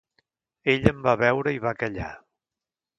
Ell em va veure i va callar.